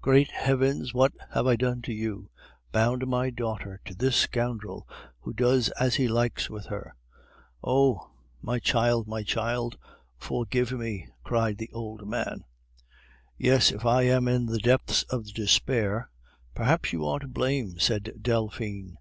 "Great heavens! what have I done to you? Bound my daughter to this scoundrel who does as he likes with her! Oh! my child, my child! forgive me!" cried the old man. "Yes, if I am in the depths of despair, perhaps you are to blame," said Delphine.